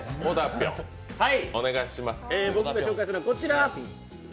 僕の紹介するものはこちら。